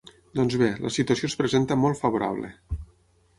Doncs bé, la situació es presenta molt favorable.